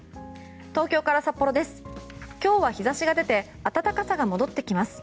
東京から札幌です。